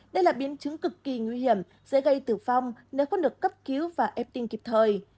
đây là biến chứng cực kỳ nguy hiểm dễ gây tử phong nếu không được cấp cứu và ép tin kịp thời